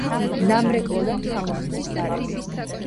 სამრეკლოდან ჩამოხსნეს ზარები.